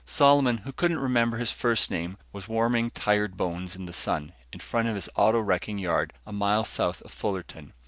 Solomon, who couldn't remember his first name, was warming tired bones in the sun, in front of his auto wrecking yard a mile south of Fullerton.